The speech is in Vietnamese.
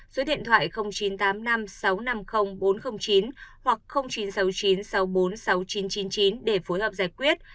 số điện thoại chín trăm tám mươi năm sáu trăm năm mươi bốn trăm linh chín hoặc chín trăm sáu mươi chín sáu trăm bốn mươi sáu nghìn chín trăm chín mươi chín để phối hợp giải quyết